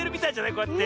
こうやって。